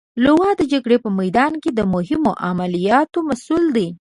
لوا د جګړې په میدان کې د مهمو عملیاتو مسئول دی.